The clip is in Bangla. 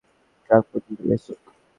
ট্রাক পর্যন্ত রেস হোক।